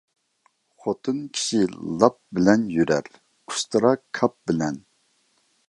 خوتۇن كىشى لاپ بىلەن يۈرەر، ئۇستىرا كاپ بىلەن.